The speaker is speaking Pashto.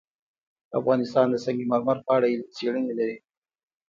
افغانستان د سنگ مرمر په اړه علمي څېړنې لري.